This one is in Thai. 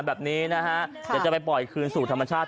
อยากจะไปปล่อยคืนสูตรธรรมชาติ